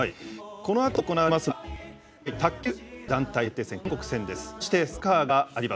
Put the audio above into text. このあと行われますのが卓球男子団体の３位決定戦韓国戦です。